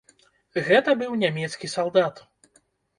Гэта быў нямецкі салдат.